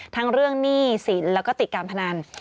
ทั้งเรื่องหนี้สินแล้วก็ติดการพนัน